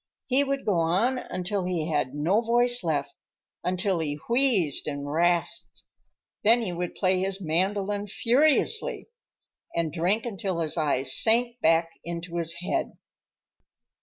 He would go on until he had no voice left, until he wheezed and rasped. Then he would play his mandolin furiously, and drink until his eyes sank back into his head.